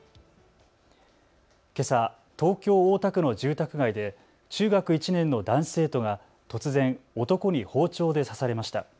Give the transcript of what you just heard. けさ東京大田区の住宅街で中学１年の男子生徒が突然、男に包丁で刺されました。